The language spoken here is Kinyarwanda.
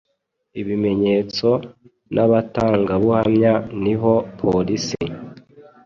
ibimenyetso nabatangabumya niho police